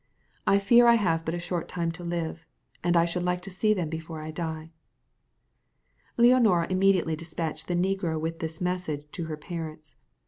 I fear I have but a short time to live, and I should like to see them before I die." Leonora immediately despatched the negro with this message to her parents.